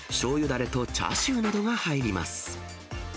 だれとチャーシューなどが入ります。